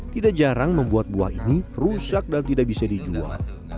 tidak jarang membuat buah ini rusak dan tidak bisa dijual